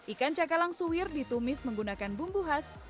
ikan cakalang suwir ditumis menggunakan bumbu khas